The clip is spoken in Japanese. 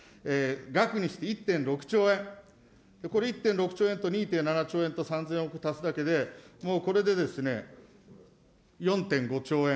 額にして１．６兆円、これ、１．６兆円と２．７兆円と３０００億足すだけで、もうこれで４．５兆円。